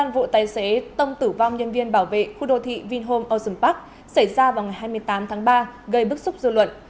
việc tông tử vong nhân viên bảo vệ khu đô thị vinhome ocean park xảy ra vào ngày hai mươi tám tháng ba gây bức xúc dư luận